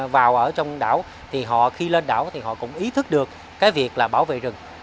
vào ở trong đảo thì họ khi lên đảo thì họ cũng ý thức được cái việc là bảo vệ rừng